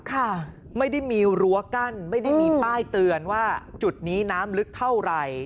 ค่ะไม่ได้มีรั้วกั้นไม่ได้มีป้ายเตือนว่าจุดนี้น้ำลึกเท่าไหร่